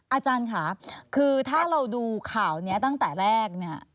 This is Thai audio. อาจารย์ค่ะคือถ้าเราดูข่าวนี้ตั้งแต่แรกเนี่ย